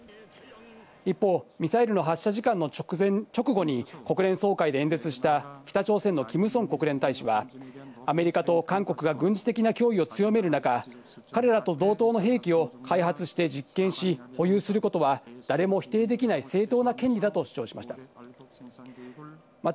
一方、ミサイルの発射時間の直後に国連総会で演説した北朝鮮のキム・ソン国連大使はアメリカと韓国が軍事的な脅威を強める中、彼らと同等の兵器を開発して実験し、保有することは誰も否定できない正当な権利だと主張しました。